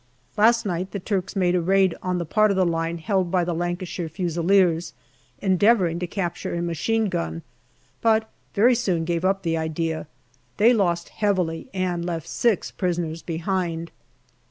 Last night the Turks made a raid on the part of the line held by the Lancashire Fusiliers, en deavouring to capture a machine gun, but very soon MAY 91 gave up the idea. They lost heavily and left six prisoners behind.